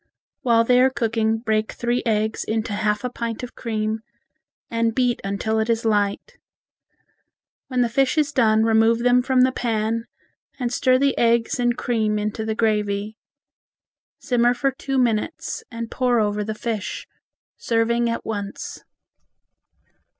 While they are cooking break three eggs into half a pint of cream, and beat until it is light. When the fish is done remove them from the pan and stir the eggs and cream into the gravy. Simmer for two minutes, and pour over the fish, serving at once.